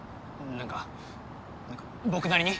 何か何か僕なりに。